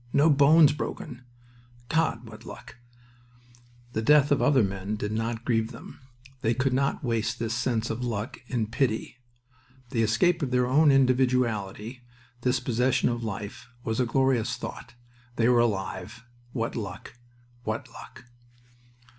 No bones broken... God! What luck!" The death of other men did not grieve them. They could not waste this sense of luck in pity. The escape of their own individuality, this possession of life, was a glorious thought. They were alive! What luck! What luck!